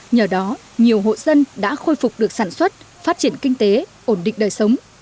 nhờ đó nhiều hộ dân đã khôi phục được sản xuất phát triển kinh tế ổn định đời sống